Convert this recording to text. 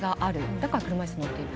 だから車いすに乗っている。